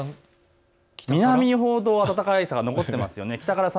南ほど暖かさが残っています。